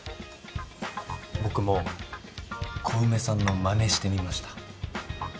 僕も小梅さんのまねしてみました。